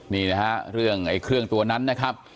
นี่นะฮะเรื่องไอ้เครื่องตัวนั้นนะครับ